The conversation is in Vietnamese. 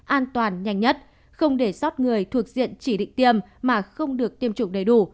an toàn nhanh nhất không để sót người thuộc diện chỉ định tiêm mà không được tiêm chủng đầy đủ